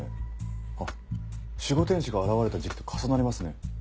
あっ守護天使が現れた時期と重なりますね。